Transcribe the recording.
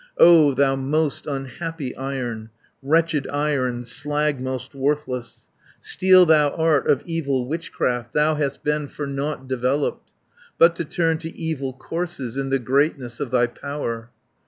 270 "O thou most unhappy Iron, Wretched Iron, slag most worthless, Steel thou art of evil witchcraft, Thou hast been for nought developed, But to turn to evil courses, In the greatness of thy power.